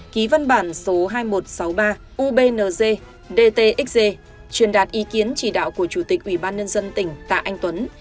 ký văn bản số hai nghìn một trăm sáu mươi ba ubnz dtxg truyền đạt ý kiến chỉ đạo của chủ tịch ủy ban nhân dân tỉnh tạ anh tuấn